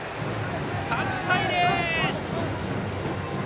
８対０！